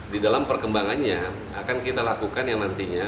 di dalam perkembangannya akan kita lakukan yang nantinya